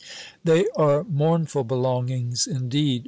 They are mournful belongings, indeed.